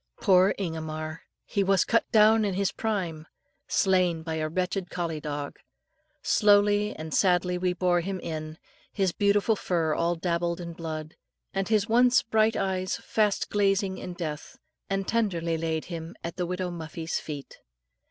Poor Ingomar! He was cut down in his prime slain by a wretched collie dog. Slowly and sadly we bore him in, his beautiful fur all dabbled in blood, and his once bright eyes fast glazing in death, and tenderly laid him at the widowed Muffie's feet.